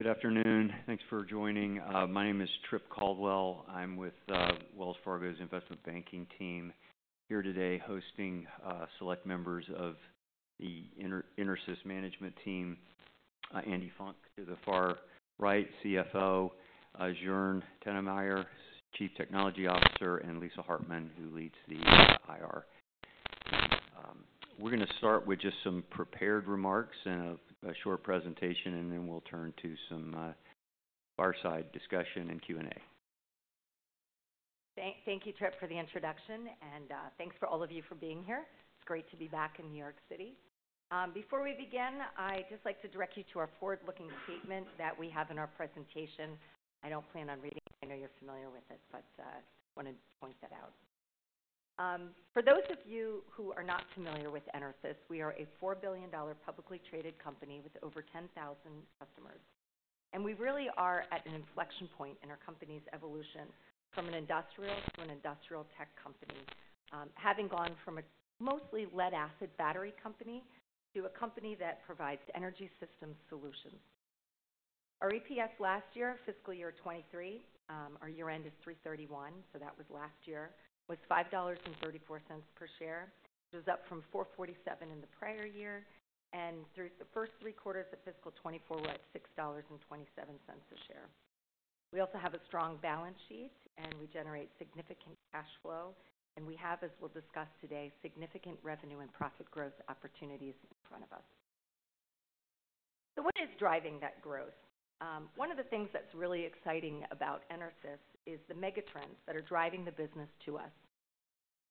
Good afternoon. Thanks for joining. My name is Trip Caldwell. I'm with Wells Fargo's investment banking team here today hosting select members of the EnerSys management team: Andrea Funk to the far right, CFO; Joern Tinnemeyer, Chief Technology Officer; and Lisa Hartman, who leads the IR. We're going to start with just some prepared remarks and a short presentation, and then we'll turn to some fireside discussion and Q&A. Thank you, Trip, for the introduction. Thanks for all of you for being here. It's great to be back in New York City. Before we begin, I'd just like to direct you to our forward-looking statement that we have in our presentation. I don't plan on reading it. I know you're familiar with it, but I just want to point that out. For those of you who are not familiar with EnerSys, we are a $4 billion publicly traded company with over 10,000 customers. We really are at an inflection point in our company's evolution from an industrial to an industrial tech company, having gone from a mostly lead-acid battery company to a company that provides energy systems solutions. Our EPS last year, fiscal year 2023, our year-end is 3/31, so that was last year, was $5.34 per share, which was up from $4.47 in the prior year. And through the first three quarters of fiscal 2024, we're at $6.27 a share. We also have a strong balance sheet, and we generate significant cash flow. And we have, as we'll discuss today, significant revenue and profit growth opportunities in front of us. So what is driving that growth? One of the things that's really exciting about EnerSys is the megatrends that are driving the business to us.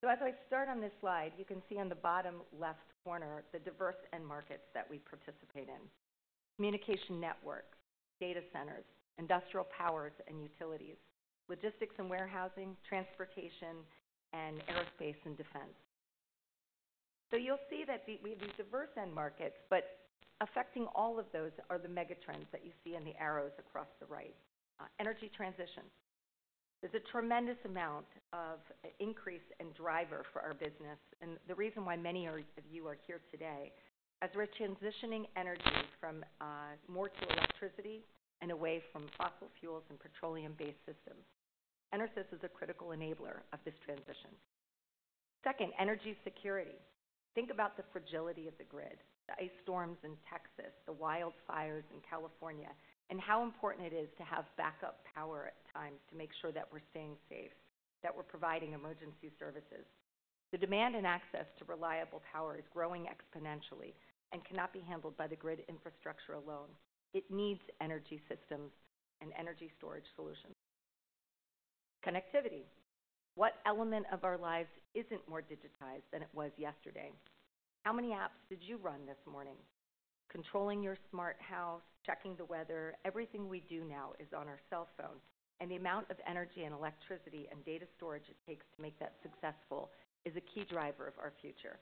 So as I start on this slide, you can see on the bottom left corner the diverse end markets that we participate in: communication networks, data centers, industrial powers and utilities, logistics and warehousing, transportation, and aerospace and defense. So you'll see that we have these diverse end markets, but affecting all of those are the megatrends that you see in the arrows across the right: energy transition. There's a tremendous amount of increase and driver for our business, and the reason why many of you are here today as we're transitioning energy from more to electricity and away from fossil fuels and petroleum-based systems. EnerSys is a critical enabler of this transition. Second, energy security. Think about the fragility of the grid, the ice storms in Texas, the wildfires in California, and how important it is to have backup power at times to make sure that we're staying safe, that we're providing emergency services. The demand and access to reliable power is growing exponentially and cannot be handled by the grid infrastructure alone. It needs energy systems and energy storage solutions. Connectivity. What element of our lives isn't more digitized than it was yesterday? How many apps did you run this morning? Controlling your smart house, checking the weather, everything we do now is on our cell phone. The amount of energy and electricity and data storage it takes to make that successful is a key driver of our future.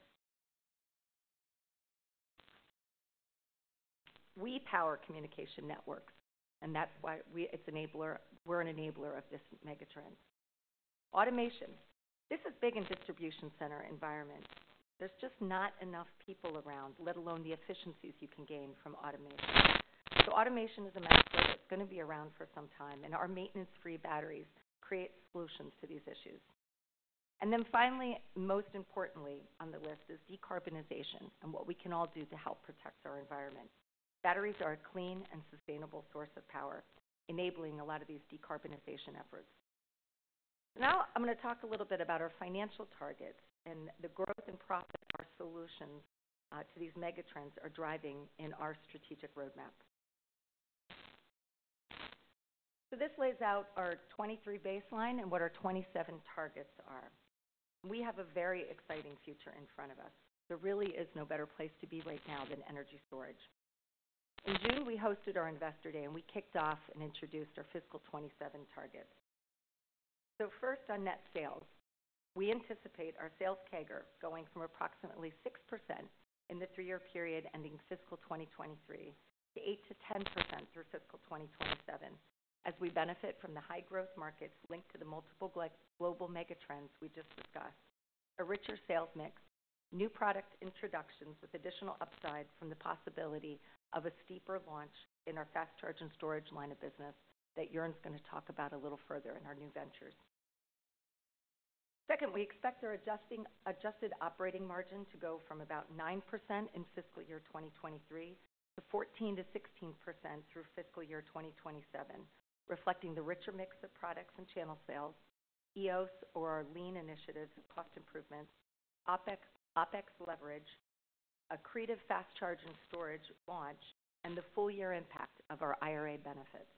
We power communication networks, and that's why it's an enabler. We're an enabler of this megatrend. Automation. This is big in distribution center environments. There's just not enough people around, let alone the efficiencies you can gain from automation. So automation is a megatrend that's going to be around for some time, and our maintenance-free batteries create solutions to these issues. Then finally, most importantly on the list, is decarbonization and what we can all do to help protect our environment. Batteries are a clean and sustainable source of power, enabling a lot of these decarbonization efforts. Now I'm going to talk a little bit about our financial targets and the growth and profit our solutions to these megatrends are driving in our strategic roadmap. This lays out our 2023 baseline and what our 2027 targets are. We have a very exciting future in front of us. There really is no better place to be right now than energy storage. In June, we hosted our Investor Day, and we kicked off and introduced our fiscal 2027 targets. So first, on net sales, we anticipate our sales CAGR going from approximately 6% in the three-year period ending fiscal 2023 to 8% to 10% through fiscal 2027, as we benefit from the high growth markets linked to the multiple global megatrends we just discussed, a richer sales mix, new product introductions with additional upside from the possibility of a steeper launch in our fast-charging storage line of business that Joern's going to talk about a little further in our new ventures. Second, we expect our adjusted operating margin to go from about 9% in fiscal year 2023 to 14% to 16% through fiscal year 2027, reflecting the richer mix of products and channel sales, EOS or our LEAN initiatives, cost improvements, OpEx leverage, a creative fast-charging storage launch, and the full-year impact of our IRA benefits.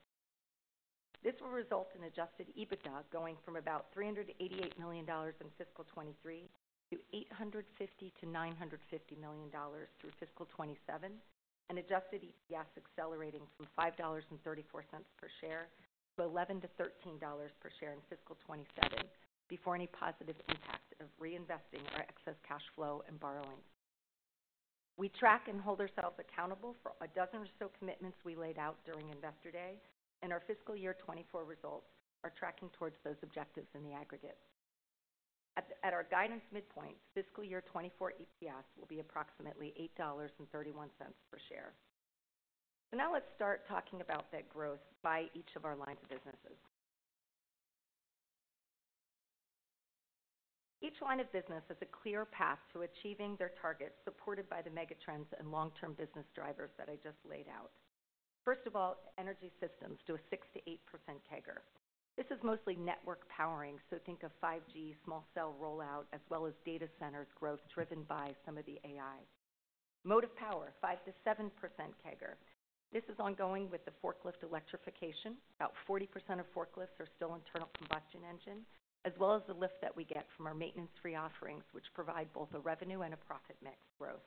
This will result in adjusted EBITDA going from about $388 million in fiscal 2023 to $850 to $950 million through fiscal 2027, and adjusted EPS accelerating from $5.34 per share to $11 to $13 per share in fiscal 2027 before any positive impact of reinvesting or excess cash flow and borrowing. We track and hold ourselves accountable for a dozen or so commitments we laid out during Investor Day, and our fiscal year 2024 results are tracking towards those objectives in the aggregate. At our guidance midpoint, fiscal year 2024 EPS will be approximately $8.31 per share. So now let's start talking about that growth by each of our lines of businesses. Each line of business has a clear path to achieving their targets, supported by the megatrends and long-term business drivers that I just laid out. First of all, Energy Systems to a 6% to 8% CAGR. This is mostly network powering, so think of 5G small-cell rollout as well as data centers growth driven by some of the AI. Motive Power, 5% to 7% CAGR. This is ongoing with the forklift electrification. About 40% of forklifts are still internal combustion engine, as well as the lift that we get from our maintenance-free offerings, which provide both a revenue and a profit mix growth.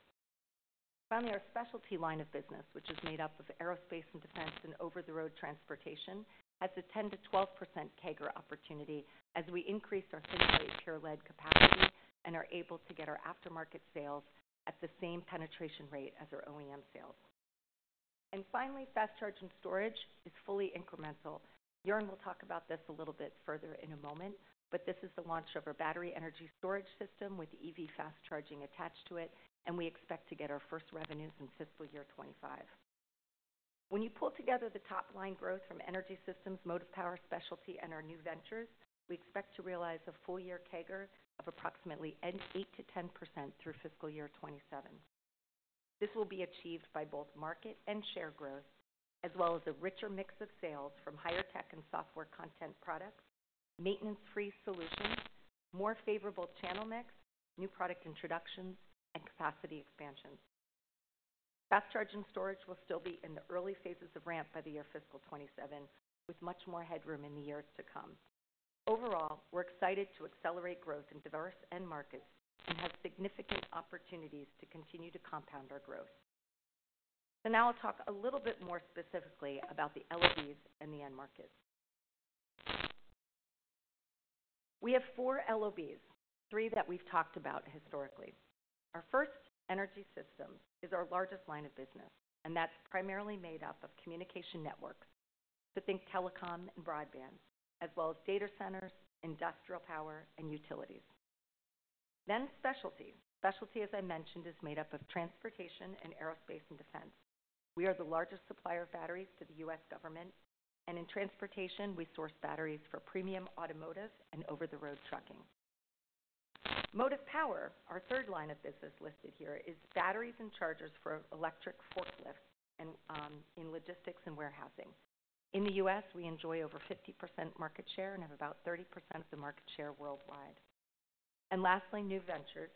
Finally, our Specialty line of business, which is made up of aerospace and defense and over-the-road transportation, has a 10% to 12% CAGR opportunity as we increase our thin plate pure lead capacity and are able to get our aftermarket sales at the same penetration rate as our OEM sales. Finally, Fast-Charging Storage is fully incremental. Joern will talk about this a little bit further in a moment, but this is the launch of our battery energy storage system with EV fast charging attached to it, and we expect to get our first revenues in fiscal year 2025. When you pull together the top-line growth from Energy Systems, Motive Power, Specialty, and our New Ventures, we expect to realize a full-year CAGR of approximately 8% to 10% through fiscal year 2027. This will be achieved by both market and share growth, as well as a richer mix of sales from higher-tech and software content products, maintenance-free solutions, more favorable channel mix, new product introductions, and capacity expansion. Fast-Charging Storage will still be in the early phases of ramp by the year fiscal 2027, with much more headroom in the years to come. Overall, we're excited to accelerate growth in diverse end markets and have significant opportunities to continue to compound our growth. So now I'll talk a little bit more specifically about the LOBs and the end markets. We have four LOBs, three that we've talked about historically. Our first, Energy Systems, is our largest line of business, and that's primarily made up of communication networks. So think telecom and broadband, as well as data centers, industrial power, and utilities. Then Specialty. Specialty, as I mentioned, is made up of transportation and aerospace and defense. We are the largest supplier of batteries to the U.S. government, and in transportation, we source batteries for premium automotive and over-the-road trucking. Motive Power, our third line of business listed here, is batteries and chargers for electric forklifts in logistics and warehousing. In the U.S., we enjoy over 50% market share and have about 30% of the market share worldwide. And lastly, New Ventures.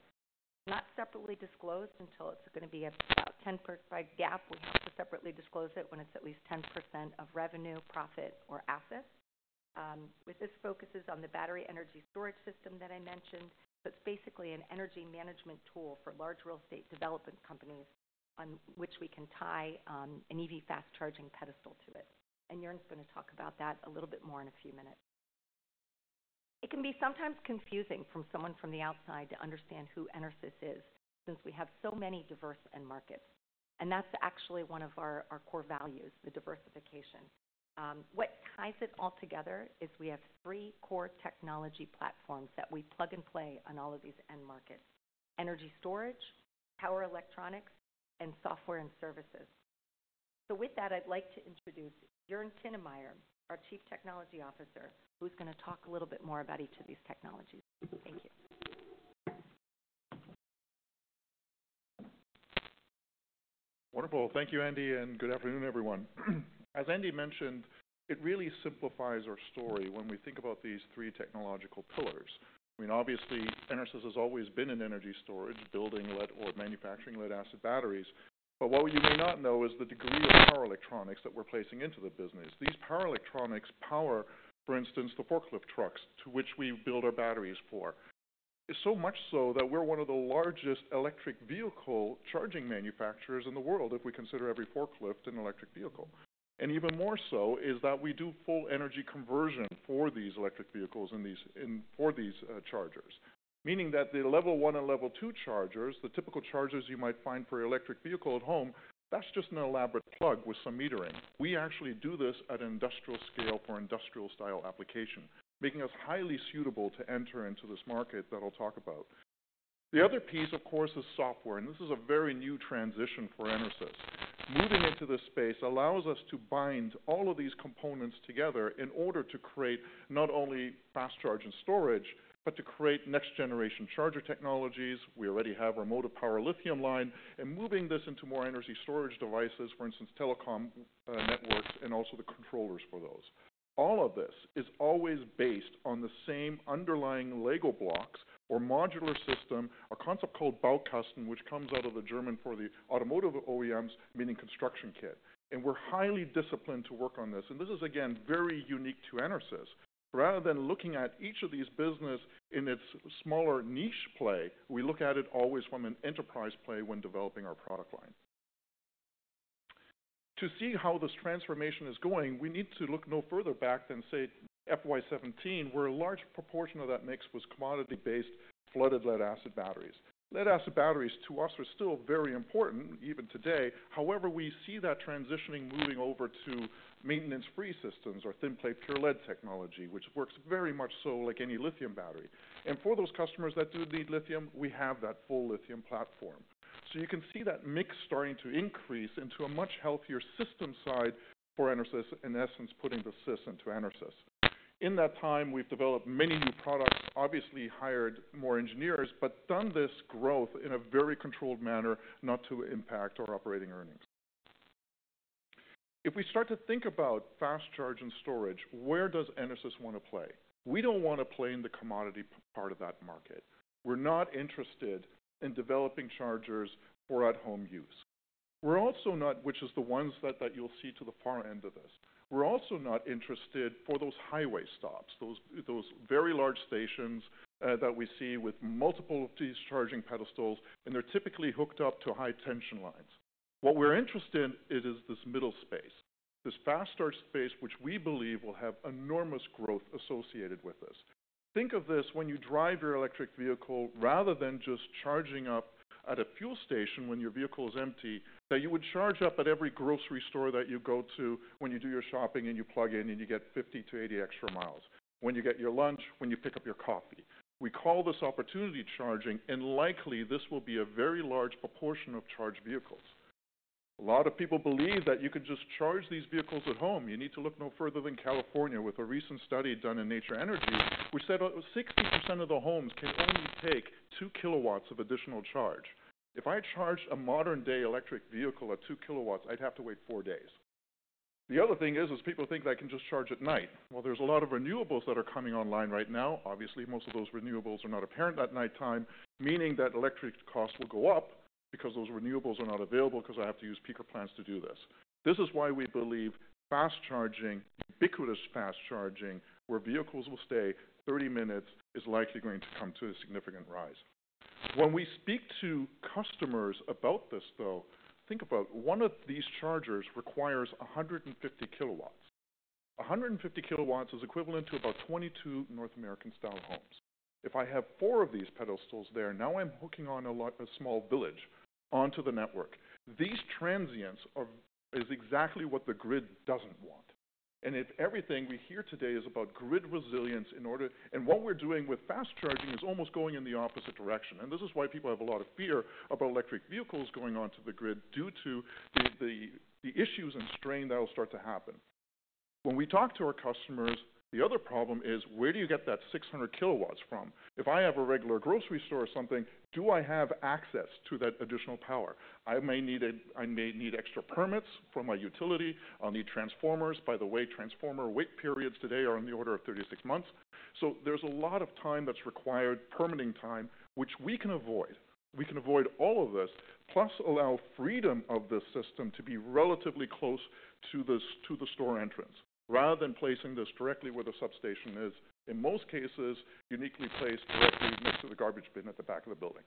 Not separately disclosed until it's going to be about 10% by GAAP, we have to separately disclose it when it's at least 10% of revenue, profit, or assets. This focuses on the battery energy storage system that I mentioned, so it's basically an energy management tool for large real estate development companies on which we can tie an EV fast charging pedestal to it. And Joern's going to talk about that a little bit more in a few minutes. It can be sometimes confusing for someone from the outside to understand who EnerSys is, since we have so many diverse end markets. And that's actually one of our core values, the diversification. What ties it all together is we have three core technology platforms that we plug and play on all of these end markets: energy storage, power electronics, and software and services. So with that, I'd like to introduce Joern Tinnemeyer, our Chief Technology Officer, who's going to talk a little bit more about each of these technologies. Thank you. Wonderful. Thank you, Andy, and good afternoon, everyone. As Andy mentioned, it really simplifies our story when we think about these three technological pillars. I mean, obviously, EnerSys has always been in energy storage, building lead-acid manufacturing lead-acid batteries. But what you may not know is the degree of power electronics that we're placing into the business. These power electronics power, for instance, the forklift trucks to which we build our batteries for. It's so much so that we're one of the largest electric vehicle charging manufacturers in the world, if we consider every forklift an electric vehicle. And even more so is that we do full energy conversion for these electric vehicles and for these chargers, meaning that the level one and level two chargers, the typical chargers you might find for your electric vehicle at home, that's just an elaborate plug with some metering. We actually do this at an industrial scale for industrial-style application, making us highly suitable to enter into this market that I'll talk about. The other piece, of course, is software, and this is a very new transition for EnerSys. Moving into this space allows us to bind all of these components together in order to create not only Fast-Charging Storage but to create next-generation charger technologies. We already have our Motive Power lithium line, and moving this into more energy storage devices, for instance, telecom networks and also the controllers for those. All of this is always based on the same underlying LEGO blocks or modular system, a concept called Baukasten, which comes out of the German for the automotive OEMs, meaning construction kit. We're highly disciplined to work on this. This is, again, very unique to EnerSys. Rather than looking at each of these businesses in its smaller niche play, we look at it always from an enterprise play when developing our product line. To see how this transformation is going, we need to look no further back than say FY 2017, where a large proportion of that mix was commodity-based flooded lead-acid batteries. Lead-acid batteries, to us, are still very important even today. However, we see that transitioning moving over to maintenance-free systems or Thin-Plate Pure Lead technology, which works very much so like any lithium battery. And for those customers that do need lithium, we have that full lithium platform. So you can see that mix starting to increase into a much healthier system side for EnerSys, in essence, putting the Sys into EnerSys. In that time, we've developed many new products, obviously hired more engineers, but done this growth in a very controlled manner not to impact our operating earnings. If we start to think about fast-charging storage, where does EnerSys want to play? We don't want to play in the commodity part of that market. We're not interested in developing chargers for at-home use. We're also not, which is the ones that you'll see to the far end of this. We're also not interested for those highway stops, those very large stations that we see with multiple charging pedestals, and they're typically hooked up to high-tension lines. What we're interested in is this middle space, this fast-charging space, which we believe will have enormous growth associated with this. Think of this: when you drive your electric vehicle, rather than just charging up at a fuel station when your vehicle is empty, that you would charge up at every grocery store that you go to when you do your shopping and you plug in and you get 50 to 80 extra miles, when you get your lunch, when you pick up your coffee. We call this opportunity charging, and likely this will be a very large proportion of charged vehicles. A lot of people believe that you can just charge these vehicles at home. You need to look no further than California. With a recent study done in Nature Energy, we said 60% of the homes can only take 2 kW of additional charge. If I charged a modern-day electric vehicle at 2 kW, I'd have to wait 4 days. The other thing is, people think that I can just charge at night. Well, there's a lot of renewables that are coming online right now. Obviously, most of those renewables are not apparent at nighttime, meaning that electric costs will go up because those renewables are not available, because I have to use peaker plants to do this. This is why we believe fast charging, ubiquitous fast charging, where vehicles will stay 30 minutes, is likely going to come to a significant rise. When we speak to customers about this, though, think about 1 of these chargers requires 150 kW. 150 kW is equivalent to about 22 North American-style homes. If I have four of these pedestals there, now I'm hooking on a small village onto the network. These transients are exactly what the grid doesn't want. If everything we hear today is about grid resilience in order and what we're doing with fast charging is almost going in the opposite direction. This is why people have a lot of fear about electric vehicles going onto the grid due to the issues and strain that'll start to happen. When we talk to our customers, the other problem is, where do you get that 600 kW from? If I have a regular grocery store or something, do I have access to that additional power? I may need extra permits from my utility. I'll need transformers. By the way, transformer wait periods today are in the order of 36 months. There's a lot of time that's required, permitting time, which we can avoid. We can avoid all of this, plus allow freedom of this system to be relatively close to the store entrance, rather than placing this directly where the substation is, in most cases uniquely placed directly next to the garbage bin at the back of the building.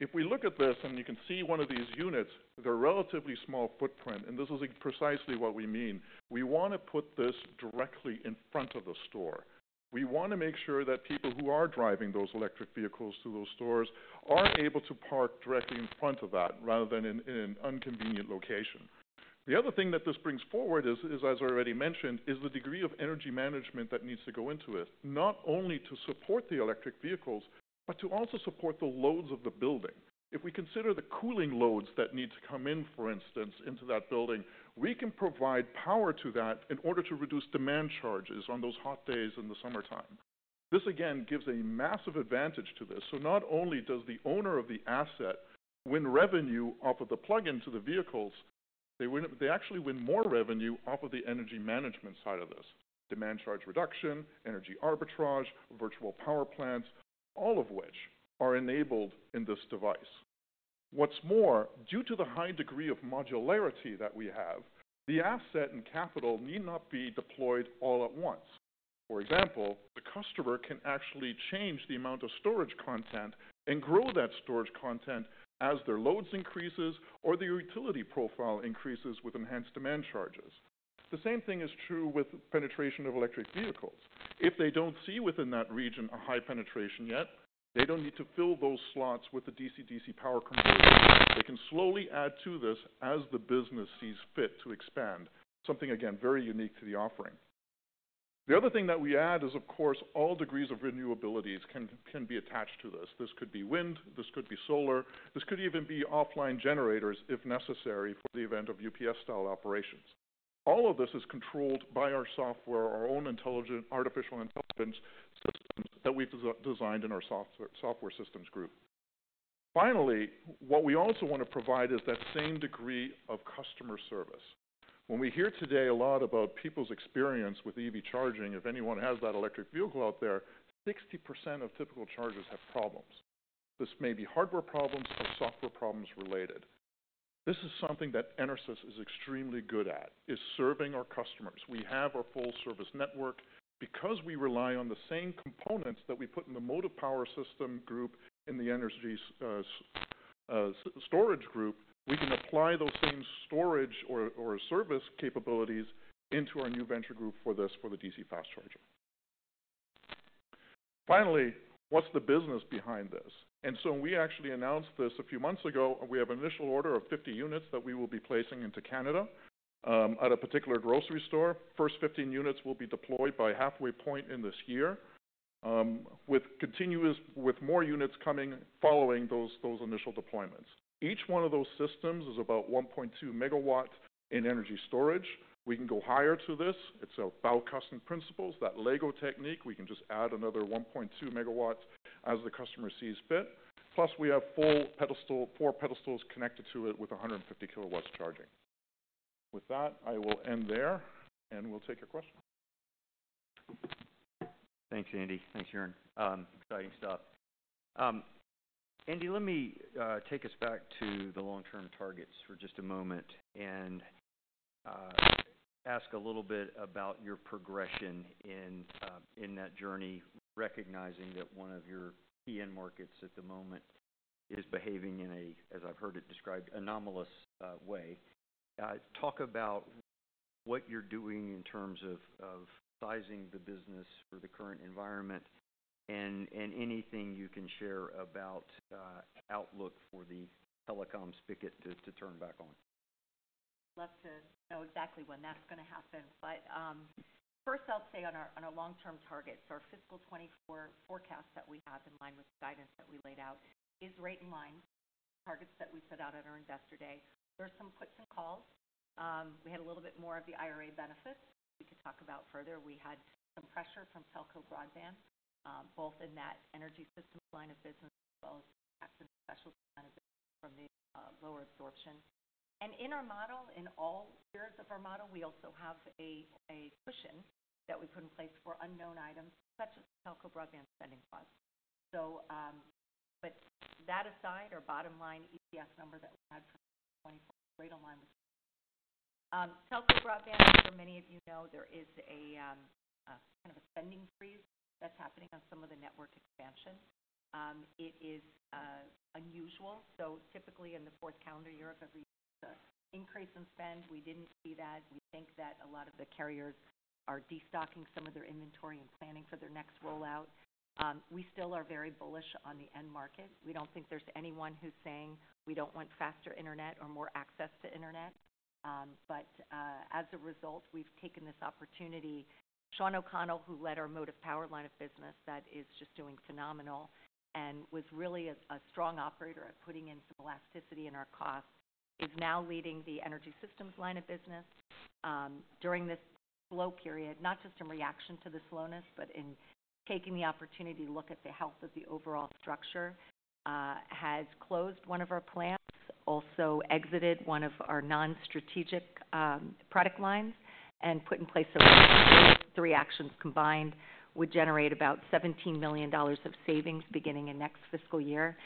If we look at this, and you can see one of these units, they're relatively small footprint, and this is precisely what we mean. We want to put this directly in front of the store. We want to make sure that people who are driving those electric vehicles to those stores are able to park directly in front of that rather than in an inconvenient location. The other thing that this brings forward is, as I already mentioned, is the degree of energy management that needs to go into it, not only to support the electric vehicles but to also support the loads of the building. If we consider the cooling loads that need to come in, for instance, into that building, we can provide power to that in order to reduce demand charges on those hot days in the summertime. This, again, gives a massive advantage to this. So not only does the owner of the asset win revenue off of the plug-in to the vehicles, they actually win more revenue off of the energy management side of this: demand charge reduction, energy arbitrage, virtual power plants, all of which are enabled in this device. What's more, due to the high degree of modularity that we have, the asset and capital need not be deployed all at once. For example, the customer can actually change the amount of storage content and grow that storage content as their loads increases or the utility profile increases with enhanced demand charges. The same thing is true with penetration of electric vehicles. If they don't see within that region a high penetration yet, they don't need to fill those slots with the DC/DC power converter. They can slowly add to this as the business sees fit to expand, something, again, very unique to the offering. The other thing that we add is, of course, all degrees of renewables can be attached to this. This could be wind, this could be solar, this could even be offline generators if necessary for the event of UPS-style operations. All of this is controlled by our software, our own artificial intelligence systems that we've designed in our software systems group. Finally, what we also want to provide is that same degree of customer service. When we hear today a lot about people's experience with EV charging, if anyone has that electric vehicle out there, 60% of typical chargers have problems. This may be hardware problems or software problems related. This is something that EnerSys is extremely good at, is serving our customers. We have our full service network. Because we rely on the same components that we put in the motive power system group, in the energy storage group, we can apply those same storage or service capabilities into our new venture group for this, for the DC fast charger. Finally, what's the business behind this? And so we actually announced this a few months ago. We have an initial order of 50 units that we will be placing into Canada at a particular grocery store. First 15 units will be deployed by halfway point in this year, with more units coming following those initial deployments. Each one of those systems is about 1.2 MW in energy storage. We can go higher to this. It's about custom principles, that LEGO technique. We can just add another 1.2 MW as the customer sees fit. Plus, we have four pedestals connected to it with 150 kW charging. With that, I will end there, and we'll take your questions. Thanks, Andy. Thanks, Joern. Exciting stuff. Andy, let me take us back to the long-term targets for just a moment and ask a little bit about your progression in that journey, recognizing that one of your key end markets at the moment is behaving in a, as I've heard it described, anomalous way. Talk about what you're doing in terms of sizing the business for the current environment and anything you can share about outlook for the telecoms spigot to turn back on. love to know exactly when that's going to happen. But first, I'll say on our long-term targets, our fiscal 2024 forecast that we have, in line with the guidance that we laid out, is right in line, targets that we set out at earnings yesterday. There are some puts and calls. We had a little bit more of the IRA benefits we could talk about further. We had some pressure from telco broadband, both in that Energy Systems line of business as well as Motive Power and Specialty line of business from the lower absorption. And in our model, in all years of our model, we also have a cushion that we put in place for unknown items such as the telco broadband spending costs. But that aside, our bottom line EPS number that we had for 2024 is right in line with. Telco broadband, as many of you know, there is kind of a spending freeze that's happening on some of the network expansion. It is unusual. So typically, in the fourth calendar year of every year, there's an increase in spend. We didn't see that. We think that a lot of the carriers are destocking some of their inventory and planning for their next rollout. We still are very bullish on the end market. We don't think there's anyone who's saying, "We don't want faster internet or more access to internet." But as a result, we've taken this opportunity. Sean O'Connell, who led our Motive Power line of business that is just doing phenomenal and was really a strong operator at putting in some elasticity in our costs, is now leading the Energy Systems line of business. During this slow period, not just in reaction to the slowness but in taking the opportunity to look at the health of the overall structure, has closed one of our plants, also exited one of our non-strategic product lines, and put in place a reaction. Those three actions combined would generate about $17 million of savings beginning in next fiscal year.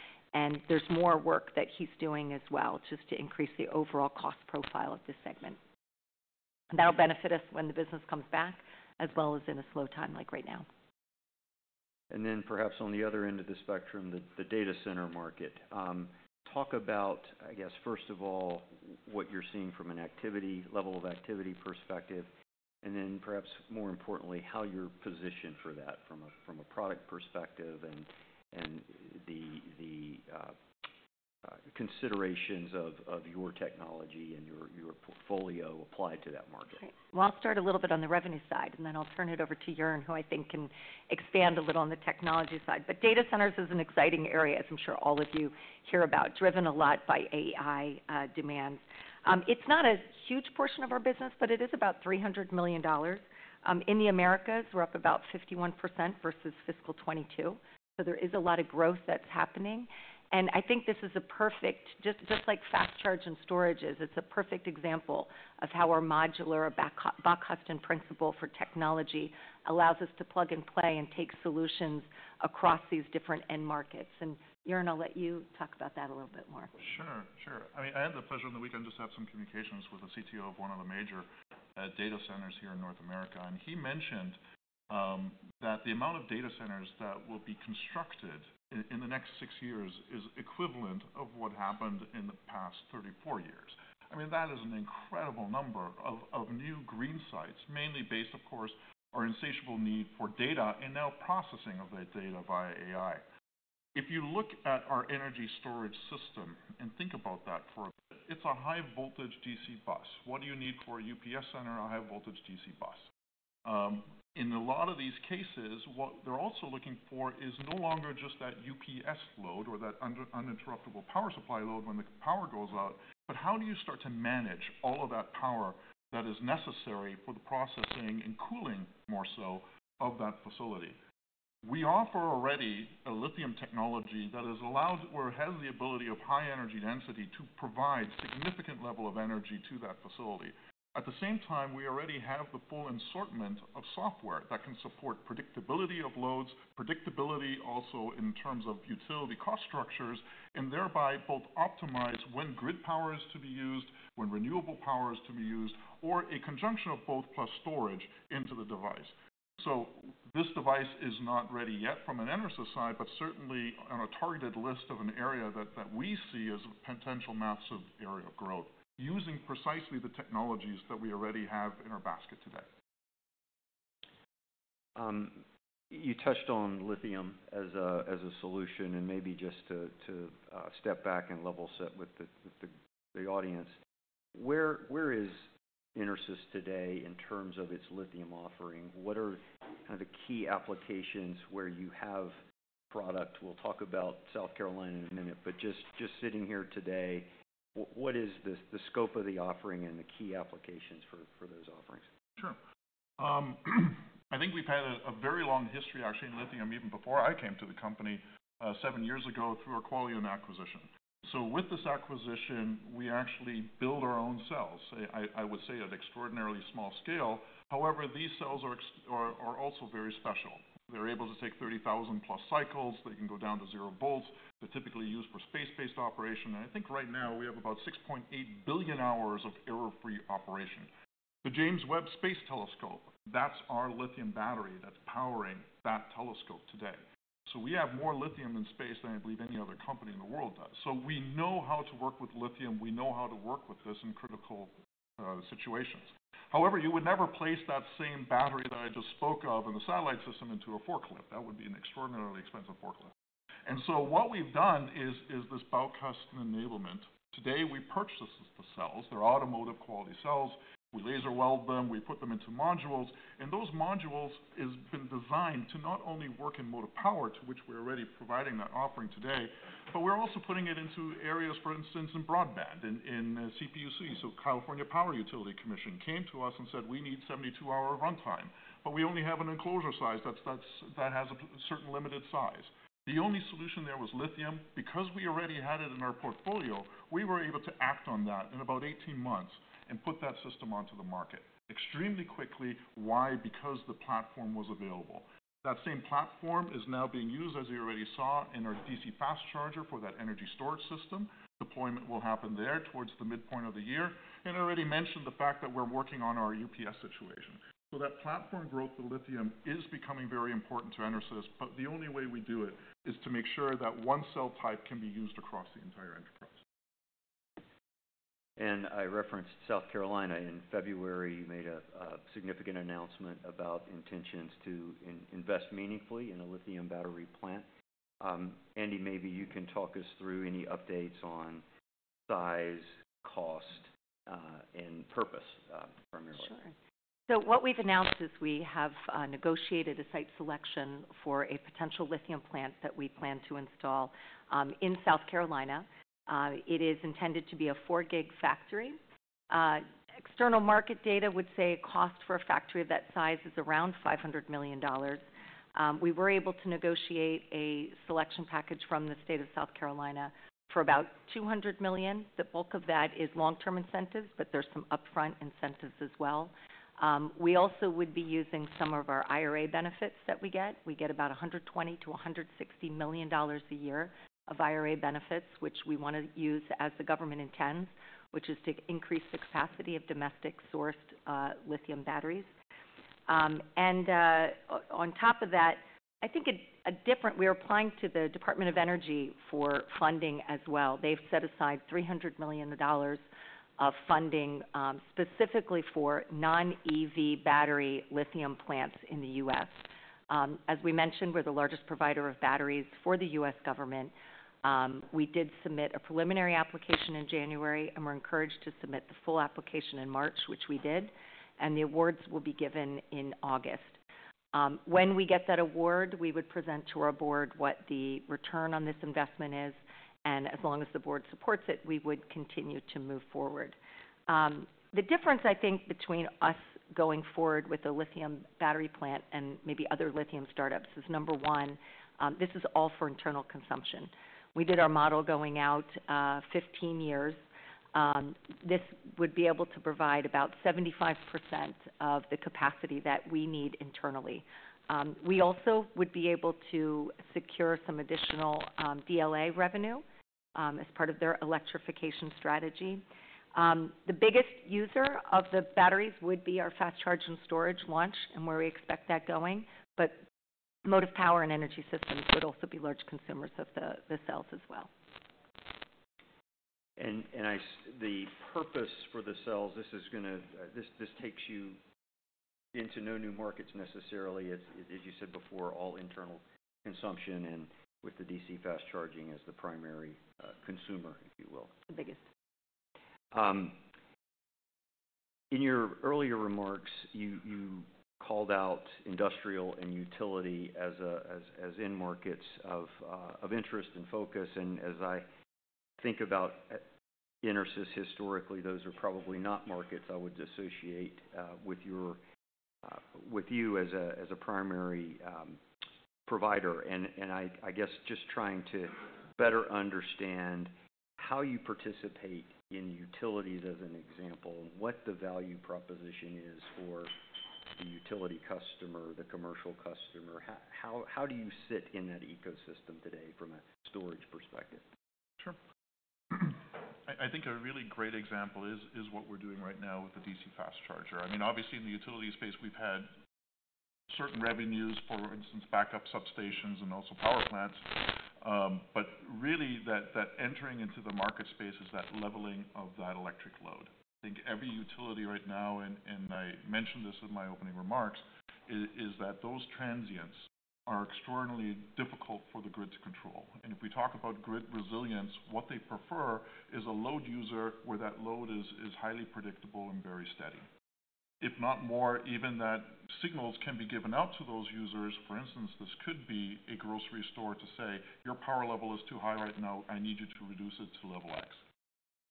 There's more work that he's doing as well, just to increase the overall cost profile of this segment. That'll benefit us when the business comes back, as well as in a slow time like right now. Then perhaps on the other end of the spectrum, the data center market. Talk about, I guess, first of all, what you're seeing from an activity level of activity perspective, and then perhaps more importantly, how you're positioned for that from a product perspective and the considerations of your technology and your portfolio applied to that market. All right. Well, I'll start a little bit on the revenue side, and then I'll turn it over to Joern, who I think can expand a little on the technology side. But data centers is an exciting area, as I'm sure all of you hear about, driven a lot by AI demands. It's not a huge portion of our business, but it is about $300 million. In the Americas, we're up about 51% versus fiscal 2022. So there is a lot of growth that's happening. And I think this is a perfect just like fast charge and storage is, it's a perfect example of how our modular Baukasten principle for technology allows us to plug and play and take solutions across these different end markets. And, Joern, I'll let you talk about that a little bit more. Sure, sure. I mean, I had the pleasure on the weekend to just have some communications with the CTO of one of the major data centers here in North America. He mentioned that the amount of data centers that will be constructed in the next six years is equivalent of what happened in the past 34 years. I mean, that is an incredible number of new green sites, mainly based, of course, on our insatiable need for data and now processing of that data via AI. If you look at our energy storage system and think about that for a bit, it's a high-voltage DC bus. What do you need for a UPS center, a high-voltage DC bus? In a lot of these cases, what they're also looking for is no longer just that UPS load or that uninterruptible power supply load when the power goes out, but how do you start to manage all of that power that is necessary for the processing and cooling, more so, of that facility? We offer already a lithium technology that has the ability of high energy density to provide a significant level of energy to that facility. At the same time, we already have the full assortment of software that can support predictability of loads, predictability also in terms of utility cost structures, and thereby both optimize when grid power is to be used, when renewable power is to be used, or a conjunction of both plus storage into the device. This device is not ready yet from an EnerSys side, but certainly on a targeted list of an area that we see as a potential massive area of growth, using precisely the technologies that we already have in our basket today. You touched on lithium as a solution. Maybe just to step back and level set with the audience, where is EnerSys today in terms of its lithium offering? What are kind of the key applications where you have product? We'll talk about South Carolina in a minute. Just sitting here today, what is the scope of the offering and the key applications for those offerings? Sure. I think we've had a very long history, actually, in lithium even before I came to the company, seven years ago, through a Quallion acquisition. So with this acquisition, we actually build our own cells, I would say, at extraordinarily small scale. However, these cells are also very special. They're able to take 30,000+ cycles. They can go down to zero volts. They're typically used for space-based operation. And I think right now we have about 6.8 billion hours of error-free operation. The James Webb Space Telescope, that's our lithium battery that's powering that telescope today. So we have more lithium in space than I believe any other company in the world does. So we know how to work with lithium. We know how to work with this in critical situations. However, you would never place that same battery that I just spoke of in the satellite system into a forklift. That would be an extraordinarily expensive forklift. And so what we've done is this boutique-custom enablement. Today, we purchase the cells. They're automotive-quality cells. We laser weld them. We put them into modules. And those modules have been designed to not only work in motive power, to which we're already providing that offering today, but we're also putting it into areas, for instance, in broadband, in CPUC. So California Public Utilities Commission came to us and said, "We need 72-hour runtime. But we only have an enclosure size that has a certain limited size." The only solution there was lithium. Because we already had it in our portfolio, we were able to act on that in about 18 months and put that system onto the market extremely quickly. Why? Because the platform was available. That same platform is now being used, as you already saw, in our DC fast charger for that energy storage system. Deployment will happen there towards the midpoint of the year. I already mentioned the fact that we're working on our UPS situation. That platform growth with lithium is becoming very important to EnerSys. But the only way we do it is to make sure that one cell type can be used across the entire enterprise. I referenced South Carolina. In February, you made a significant announcement about intentions to invest meaningfully in a lithium battery plant. Andy, maybe you can talk us through any updates on size, cost, and purpose, primarily. Sure. So what we've announced is we have negotiated a site selection for a potential lithium plant that we plan to install in South Carolina. It is intended to be a four-gig factory. External market data would say a cost for a factory of that size is around $500 million. We were able to negotiate a selection package from the state of South Carolina for about $200 million. The bulk of that is long-term incentives, but there's some upfront incentives as well. We also would be using some of our IRA benefits that we get. We get about $120 to $160 million a year of IRA benefits, which we want to use as the government intends, which is to increase the capacity of domestic-sourced lithium batteries. And on top of that, I think additionally we're applying to the Department of Energy for funding as well. They've set aside $300 million of funding specifically for non-EV battery lithium plants in the U.S. As we mentioned, we're the largest provider of batteries for the U.S. government. We did submit a preliminary application in January, and we're encouraged to submit the full application in March, which we did. The awards will be given in August. When we get that award, we would present to our board what the return on this investment is. As long as the board supports it, we would continue to move forward. The difference, I think, between us going forward with a lithium battery plant and maybe other lithium startups is, number one, this is all for internal consumption. We did our model going out 15 years. This would be able to provide about 75% of the capacity that we need internally. We also would be able to secure some additional DLA revenue as part of their electrification strategy. The biggest user of the batteries would be our fast charge and storage launch and where we expect that going. But Motive Power and Energy Systems would also be large consumers of the cells as well. The purpose for the cells takes you into no new markets, necessarily. It's, as you said before, all internal consumption and with the DC fast charging as the primary consumer, if you will. The biggest. In your earlier remarks, you called out industrial and utility as end markets of interest and focus. As I think about EnerSys historically, those are probably not markets I would associate with you as a primary provider. I guess just trying to better understand how you participate in utilities, as an example, and what the value proposition is for the utility customer, the commercial customer. How do you sit in that ecosystem today from a storage perspective? Sure. I think a really great example is what we're doing right now with the DC fast charger. I mean, obviously, in the utility space, we've had certain revenues, for instance, backup substations and also power plants. But really, that entering into the market space is that leveling of that electric load. I think every utility right now and I mentioned this in my opening remarks is that those transients are extraordinarily difficult for the grid to control. And if we talk about grid resilience, what they prefer is a load user where that load is highly predictable and very steady, if not more. Even that signals can be given out to those users. For instance, this could be a grocery store to say, "Your power level is too high right now. I need you to reduce it to level X."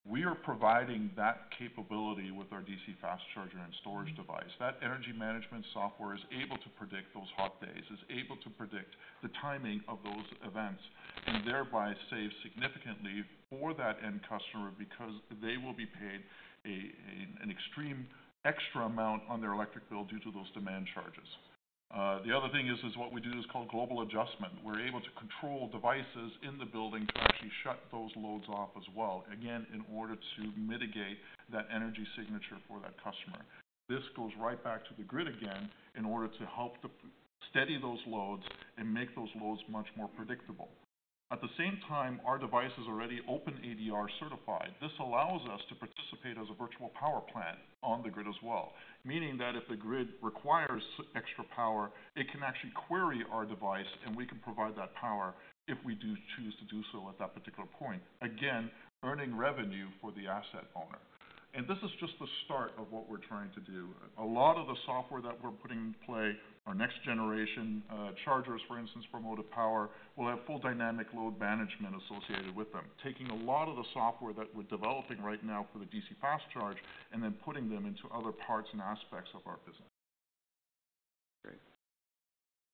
We are providing that capability with our DC fast charger and storage device. That energy management software is able to predict those hot days, is able to predict the timing of those events, and thereby save significantly for that end customer because they will be paid an extreme extra amount on their electric bill due to those demand charges. The other thing is what we do is called Global Adjustment. We're able to control devices in the building to actually shut those loads off as well, again, in order to mitigate that energy signature for that customer. This goes right back to the grid again in order to help steady those loads and make those loads much more predictable. At the same time, our device is already OpenADR certified. This allows us to participate as a virtual power plant on the grid as well, meaning that if the grid requires extra power, it can actually query our device, and we can provide that power if we do choose to do so at that particular point, again, earning revenue for the asset owner. And this is just the start of what we're trying to do. A lot of the software that we're putting in play, our next-generation chargers, for instance, for Motive Power, will have full dynamic load management associated with them, taking a lot of the software that we're developing right now for the DC fast charge and then putting them into other parts and aspects of our business. Great.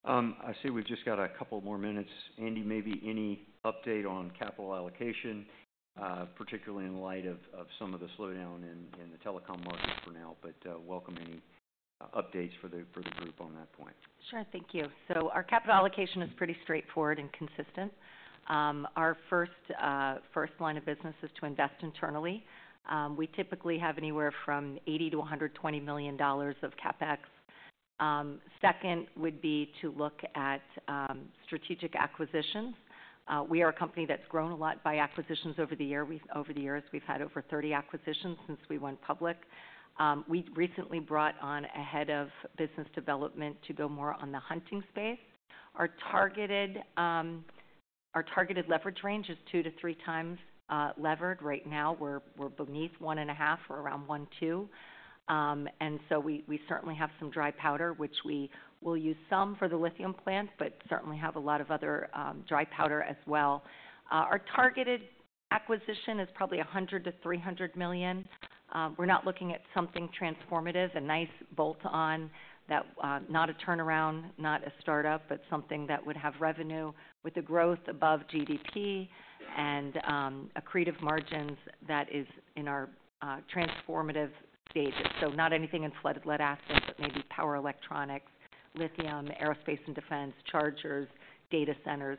I see we've just got a couple more minutes. Andy, maybe any update on capital allocation, particularly in light of some of the slowdown in the telecom market for now. But welcome any updates for the group on that point. Sure. Thank you. So our capital allocation is pretty straightforward and consistent. Our first line of business is to invest internally. We typically have anywhere from $80 to $120 million of CapEx. Second would be to look at strategic acquisitions. We are a company that's grown a lot by acquisitions over the years. We've had over 30 acquisitions since we went public. We recently brought on a head of business development to go more on the hunting space. Our targeted leverage range is two to three times levered. Right now, we're beneath 1.5. We're around 1.2. And so we certainly have some dry powder, which we will use some for the lithium plant, but certainly have a lot of other dry powder as well. Our targeted acquisition is probably $100 to $300 million. We're not looking at something transformative, a nice bolt-on, not a turnaround, not a startup, but something that would have revenue with a growth above GDP and accretive margins that is in our transformative stages. So not anything in flooded lead assets, but maybe power electronics, lithium, aerospace and defense, chargers, data centers,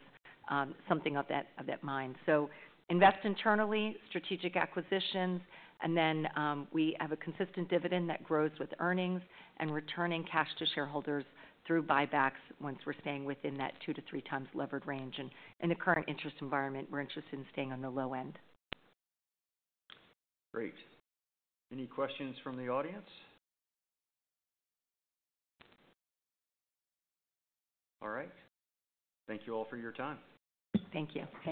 something of that kind. So invest internally, strategic acquisitions. And then we have a consistent dividend that grows with earnings and returning cash to shareholders through buybacks once we're staying within that two to three times levered range. And in the current interest environment, we're interested in staying on the low end. Great. Any questions from the audience? All right. Thank you all for your time. Thank you.